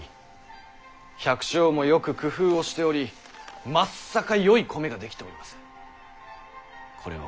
百姓もよく工夫をしておりまっさかよい米が出来ております。